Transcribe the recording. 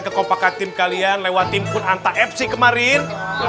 kekompakan tim kalian lewat timpun anta fc kemarin